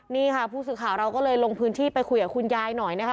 นี่ค่ะผู้สื่อข่าวเราก็เลยลงพื้นที่ไปคุยกับคุณยายหน่อยนะคะ